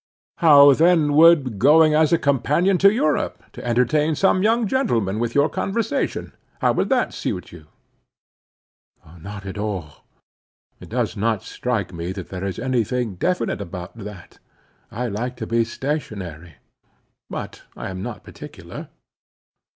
"How then would going as a companion to Europe, to entertain some young gentleman with your conversation,—how would that suit you?" "Not at all. It does not strike me that there is any thing definite about that. I like to be stationary. But I am not particular."